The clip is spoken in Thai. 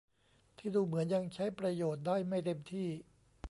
ที่ดูเหมือนยังใช้ประโยชน์ได้ไม่เต็มที่